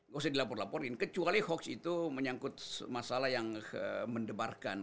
gak usah dilapor laporin kecuali hoax itu menyangkut masalah yang mendebarkan